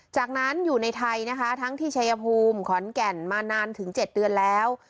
จากนั้นอยู่ในไทยนะคะทั้งที่ชายภูมิขอนแก่นมานานถึง๗เดือนแล้ว